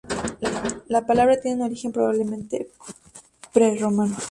La palabra tiene un origen probablemente prerromano.